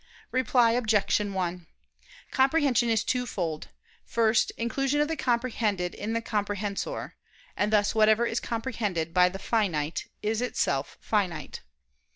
Reply Obj. 1: Comprehension is twofold. First, inclusion of the comprehended in the comprehensor; and thus whatever is comprehended by the finite, is itself finite.